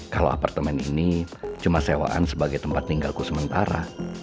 kalau apartemen ini cuma sewaan sebagai tempat tinggalku sementara